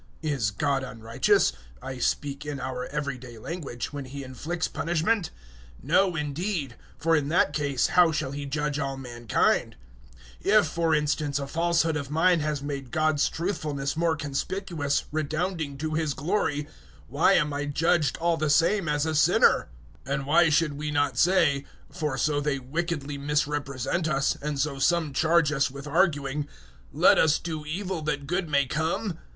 (Is God unrighteous I speak in our everyday language when He inflicts punishment? 003:006 No indeed; for in that case how shall He judge all mankind?) 003:007 If, for instance, a falsehood of mine has made God's truthfulness more conspicuous, redounding to His glory, why am I judged all the same as a sinner? 003:008 And why should we not say for so they wickedly misrepresent us, and so some charge us with arguing "Let us do evil that good may come"?